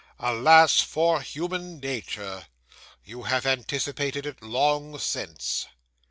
Alas for human nature! You have anticipated it long since.